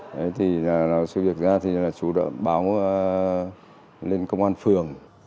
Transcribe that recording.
đấy thì là sự việc ra thì là chú đã báo lên công an phường